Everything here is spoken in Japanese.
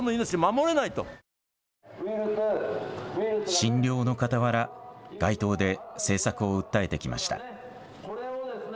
診療のかたわら街頭で政策を訴えてきました。